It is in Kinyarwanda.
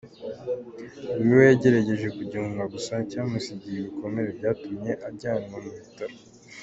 Uyu we yagerageje kugihunga gusa cyamusigiye ibikomere byatumye ajyanwa mu bitaro.